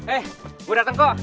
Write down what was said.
eh gua dateng kok